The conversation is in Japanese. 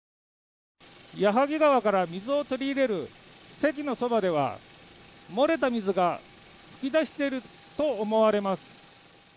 矢作川から水を取り入れるせきのそばでは漏れた水が噴き出していると思われます。